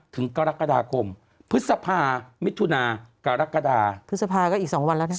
ถึงกรกฎาคมพฤษภามิถุนากรกฎาพฤษภาก็อีก๒วันแล้วนะ